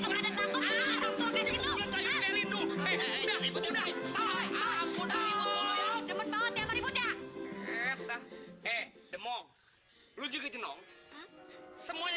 hai setelah ini kamu dari betul betul banget ya maripun ya eh demo lu juga jenong semuanya